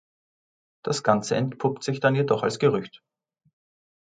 Das Ganze entpuppt sich dann jedoch als Gerücht.